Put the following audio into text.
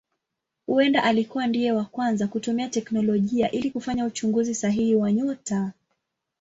Huenda alikuwa ndiye wa kwanza kutumia teknolojia ili kufanya uchunguzi sahihi wa nyota.